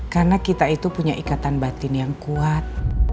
karena kita itu punya ikatan batin yang kuat